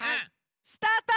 スタート！